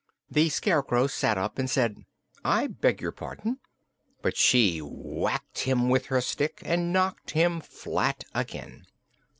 The Scarecrow sat up and said: "I beg your pardon!" but she whacked him with her stick and knocked him flat again.